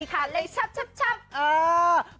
เมื่อกี้ขาดเลยชับเออ